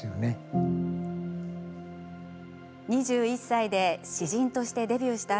２１歳で詩人としてデビューした